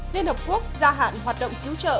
liên hợp quốc gia hạn hoạt động cứu trợ